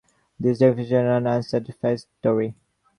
These definitions are unsatisfactory.